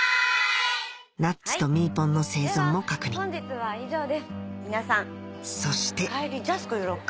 なっちとみーぽんの生存も確認そして帰りジャスコ寄ろうか。